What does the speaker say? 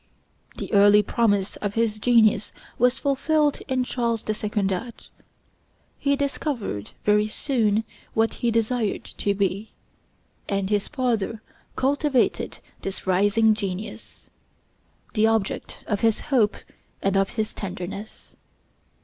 The early promise of his genius was fulfilled in Charles de Secondat. He discovered very soon what he desired to be, and his father cultivated this rising genius, the object of his hope and of his tenderness.